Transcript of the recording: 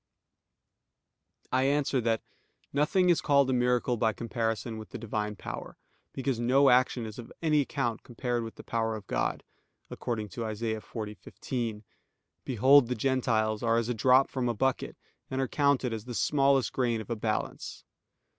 I answer that, Nothing is called a miracle by comparison with the Divine Power; because no action is of any account compared with the power of God, according to Isa. 40:15: "Behold the Gentiles are as a drop from a bucket, and are counted as the smallest grain of a balance."